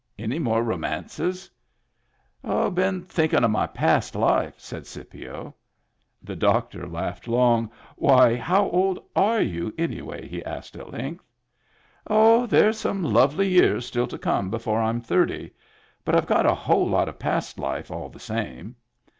Any more romances ?"" Been thinkin' of my past life," said Scipio. The doctor laughed long. " Why, how old are you, anyhow ?" he asked at length. "Oh, there's some lovely years still to come before I'm thirty. But I've got a whole lot of past life, all the same."